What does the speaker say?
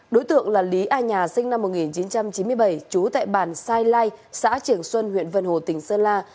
đối tượng là lý a nhà sinh năm một nghìn chín trăm chín mươi bảy trú tại bản sai lai xã trường xuân huyện vân hồ tỉnh sơn la